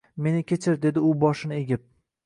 Meni kechir, dedi u boshini egib